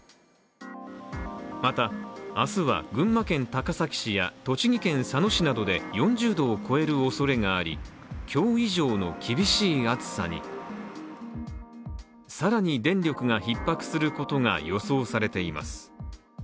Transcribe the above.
また、明日は群馬県高崎市や栃木県佐野市などで４０度を超えるおそれがあり、今日以上の厳しい暑さに更に電力がひっ迫することが予想されています